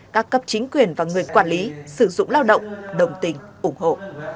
các cấp chính quyền và người quản lý sử dụng lao động đồng tình ủng hộ